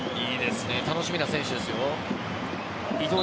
楽しみな選手ですね。